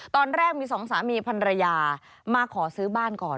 ตอนแรกมีสองสามีพันรยามาขอซื้อบ้านก่อน